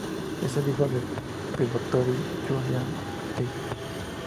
Es hijo del pelotari Julián Retegi.